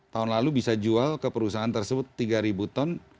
tahun lalu bisa jual ke perusahaan tersebut tiga ribu ton